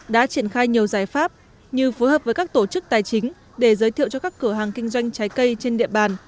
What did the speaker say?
đã triển khai nhiều giải pháp như phối hợp với các tổ chức tài chính để giới thiệu cho các cửa hàng kinh doanh trái cây trên địa bàn